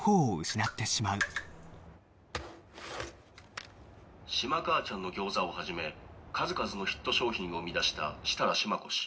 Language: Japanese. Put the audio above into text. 「しま母ちゃんのぎょうざを始め数々のヒット商品を生み出した設楽しま子氏」